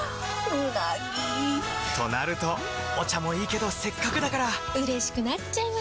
うなぎ！となるとお茶もいいけどせっかくだからうれしくなっちゃいますか！